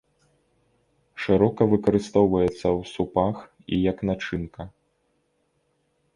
Шырока выкарыстоўваецца ў супах і як начынка.